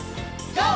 ＧＯ！